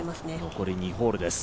残り２ホールです。